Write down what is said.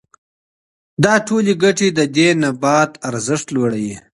دا ټولې ګټې د دې نبات ارزښت لوړوي.